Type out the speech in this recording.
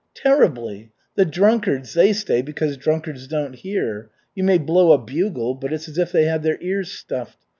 "Terribly. The drunkards they stay because drunkards don't hear. You may blow a bugle, but it's as if they had their ears stuffed.